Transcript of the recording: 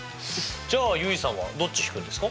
じゃあ結衣さんはどっち引くんですか？